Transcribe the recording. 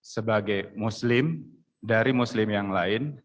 sebagai muslim dari muslim yang lain